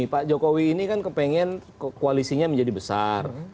pak jokowi ini kan kepengen koalisinya menjadi besar